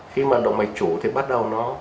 khi mà động vệ chủ thì bắt đầu nó